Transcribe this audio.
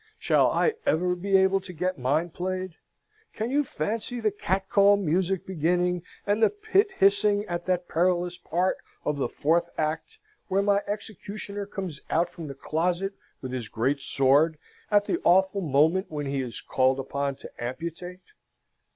Shall I ever be able to get mine played? Can you fancy the catcall music beginning, and the pit hissing at that perilous part of the fourth act, where my executioner comes out from the closet with his great sword, at the awful moment when he is called upon to amputate?